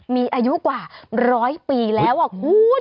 มีอายุกว่าร้อยปีแล้วคุณ